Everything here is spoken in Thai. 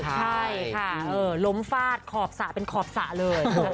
ใช่ค่ะล้มฟาดขอบสระเป็นขอบสระเลย